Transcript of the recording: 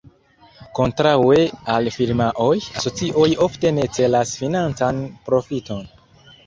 Kontraŭe al firmaoj, asocioj ofte ne celas financan profiton.